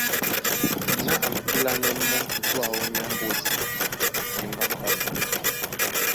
Ná a mapúlánɛ́ mɔ́ tutú áō nyá mbódi mwembá na ɓána.